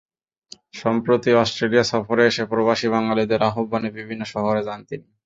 সম্প্রতি অস্ট্রেলিয়া সফরে এসে প্রবাসী বাঙালিদের আহ্বানে বিভিন্ন শহরে যান তিনি।